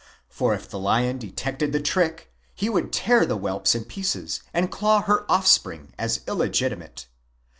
For if the lion detected the trick, he would tear the whelps in pieces and claw her offspring as illegitimate.